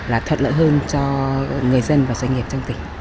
là thuận lợi hơn cho người dân và doanh nghiệp trong tỉnh